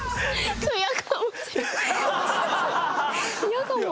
嫌かも。